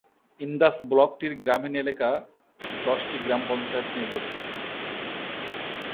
ইন্দাস ব্লকটির গ্রামীণ এলাকা দশটি গ্রাম পঞ্চায়েত নিয়ে গঠিত।